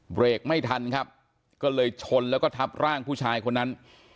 เบรกไม่ทันครับก็เลยชนแล้วก็ทับร่างผู้ชายคนนั้น